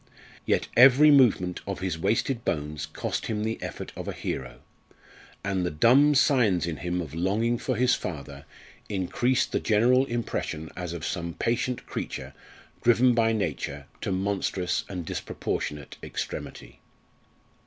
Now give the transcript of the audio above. Yet every movement of his wasted bones cost him the effort of a hero, and the dumb signs in him of longing for his father increased the general impression as of some patient creature driven by Nature to monstrous and disproportionate extremity.